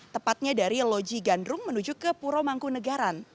tepatnya dari lodji gandrung menuju ke puromangku negara